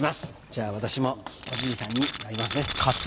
じゃ私もおじいさんになりますね。